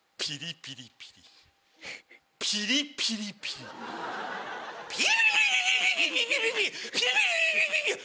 ピリピリピリピリピリ！ヤバ。